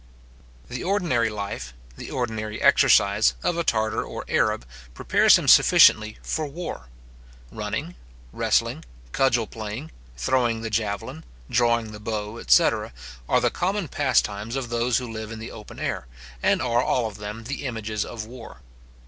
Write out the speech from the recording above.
The ordinary life, the ordinary exercise of a Tartar or Arab, prepares him sufficiently for war. Running, wrestling, cudgel playing, throwing the javelin, drawing the bow, etc. are the common pastimes of those who live in the open air, and are all of them the images of war.